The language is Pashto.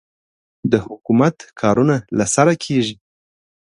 د حکومت کارونه له سره کېږي.